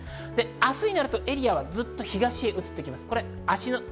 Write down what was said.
明日になるとエリアはずっと東に移ります。